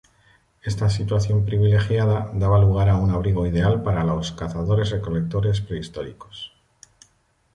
Esta situación privilegiada daba lugar a un abrigo ideal para los cazadores-recolectoress prehistóricos.